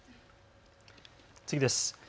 次です。